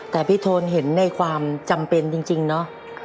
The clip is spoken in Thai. แต่พี่โทนเห็นในความจำเป็นจริงเนาะ